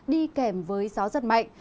đi kèm với gió rất mạnh